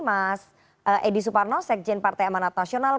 mas edi suparno sekjen partai amanat nasional